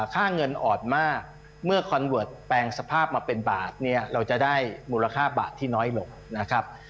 ค่าเงินอ่อนมากเมื่อคอนเวิร์ตแปลงสภาพมาเป็นบาทเนี่ยเราจะได้มูลค่าบาทที่น้อยลงนะครับ